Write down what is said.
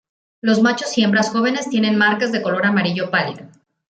Los machos y hembras jóvenes tienen marcas de color amarillo pálido.